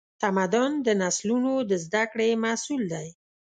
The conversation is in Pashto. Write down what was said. تمدن د نسلونو د زدهکړې محصول دی.